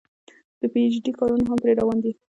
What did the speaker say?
د پي ايچ ډي کارونه هم پرې روان دي